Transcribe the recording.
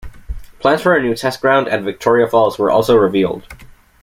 Plans for a new Test ground at Victoria Falls were also revealed.